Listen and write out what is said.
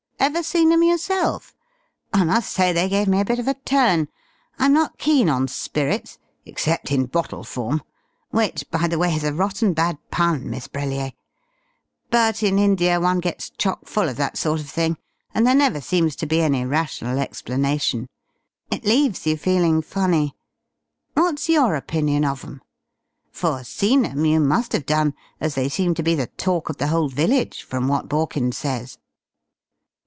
Ever seen 'em yourself? I must say they gave me a bit of a turn. I'm not keen on spirits except in bottle form (which by the way is a rotten bad pun, Miss Brellier,) but in India one gets chockful of that sort of thing, and there never seems to be any rational explanation. It leaves you feeling funny. What's your opinion of 'em? For seen 'em you must have done, as they seem to be the talk of the whole village from what Borkins says."